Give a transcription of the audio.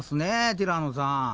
ティラノさん。